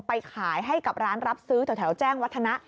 ไปขายให้กับร้านรับซื้อแถวแจ้งวัฒนะ